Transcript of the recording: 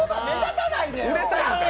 売れたいんか。